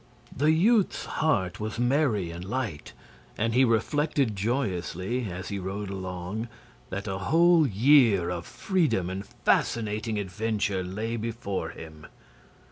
The youth's heart was merry and light, and he reflected joyously, as he rode along, that a whole year of freedom and fascinating adventure lay before him.